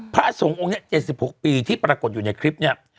พระสงฆ์องค์นี้๗๖ปีที่ปรากฏอยู่ในคลิปเนี่ย